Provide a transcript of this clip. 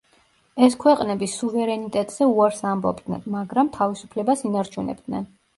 ეს ქვეყნები სუვერენიტეტზე უარს ამბობდნენ, მაგრამ, თავისუფლებას ინარჩუნებდნენ.